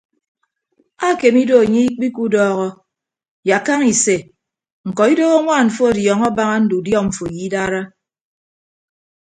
Akeme ido anye ikpiku udọọhọ yak kaña ise ñkọ idoho añwaan mfọ ọdiọñọ abaña ndudiọ mfo ye idara.